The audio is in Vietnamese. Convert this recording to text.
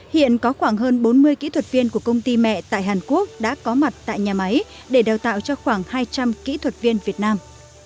hiện có khoảng hơn bốn mươi kỹ thuật viên của công ty mẹ tại hàn quốc đã có mặt tại nhà máy để đào tạo cho khoảng hai trăm linh kỹ thuật viên việt nam